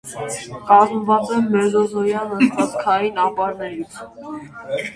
Կազմված է մեզոզոյան նստվածքային ապարներից։